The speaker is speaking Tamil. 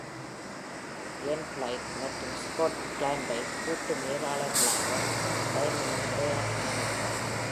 இயன் பிளைத் மற்றும் ஸ்காட் கிளாம்பை கூட்டு மேலாளர்களாக டைனமோ முறையாக நியமித்தார்.